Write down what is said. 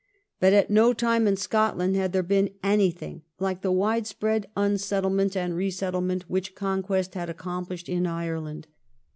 But at no time in Scotland had there been anything like the wide spread unsettlement and re settlement which conquest had accomplished in Ireland.